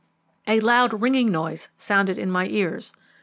A loud ringing noise sounded in my ears.